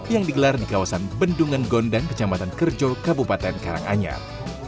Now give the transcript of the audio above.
yang digelar di kawasan bendungan gondang kecamatan kerjo kabupaten karanganyar